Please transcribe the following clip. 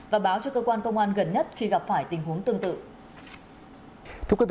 và báo cho cơ quan công an gần nhất khi gặp phải tình huống tương tự